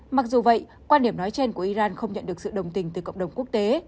mặc dù vậy quan điểm nói trên của iran không nhận được sự đồng tình từ cộng đồng quốc tế